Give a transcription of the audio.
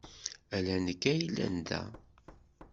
Ala nekk ay yellan da.